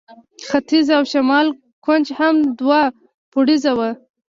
ختیځ او شمال کونج هم دوه پوړیزه وه.